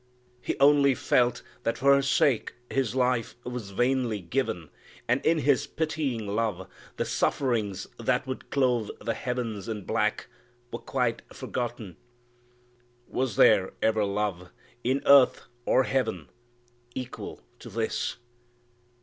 He only felt that for her sake His life Was vainly given, and in His pitying love The sufferings that would clothe the heavens in black Were quite forgotten. "Was there ever love, In earth or heaven, equal to this?"